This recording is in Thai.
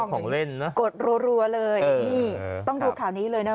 ของเล่นนะกดรัวเลยนี่ต้องดูข่าวนี้เลยนะ